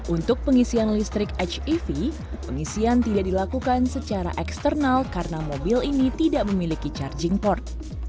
untuk pengisian listrik hev pengisian tidak dilakukan secara eksternal karena mobil ini tidak memiliki charging port